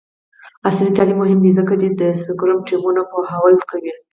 عصري تعلیم مهم دی ځکه چې د سکرم ټیمونو پوهاوی ورکوي.